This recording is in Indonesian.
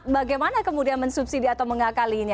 bagaimana kemudian mensubsidi atau mengakalinya